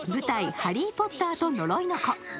「ハリー・ポッターと呪いの子」。